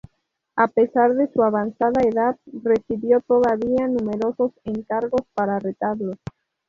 A pesar de su avanzada edad, recibió todavía numerosos encargos para retablos.